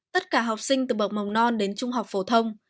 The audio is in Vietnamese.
tất cả học sinh từ bậc mầm non đến trung học phổ thông